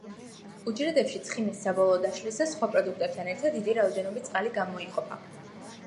უჯრედებში ცხიმის საბოლოო დაშლისას სხვა პროდუქტებთან ერთად დიდი რაოდენობით წყალი გამოიყოფა.